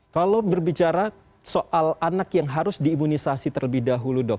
kalau berbicara soal anak yang harus diimunisasi terlebih dahulu dok